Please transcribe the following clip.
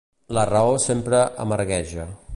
La raó sempre amargueja.